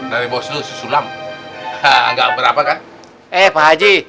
dari bos lu